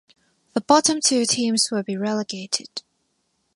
The bottom two teams would be relegated.